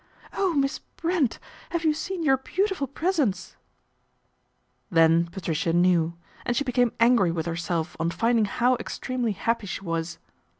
" Oh, Miss Brent ! have you seen your beautiful presents ?" Then Patricia knew, and she became angry with herself on rinding how extremely happy she was.